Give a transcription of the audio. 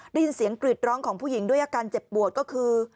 ได้ยินเสียงกรีดร้องของผู้หญิงด้วยอาการเจ็บปวดก็คือ